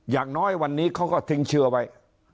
อย่างน้อยวันนี้เขาก็ทิ้งเชื้อไว้